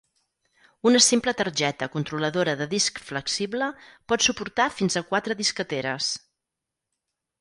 Una simple targeta controladora de disc flexible pot suportar fins a quatre disqueteres.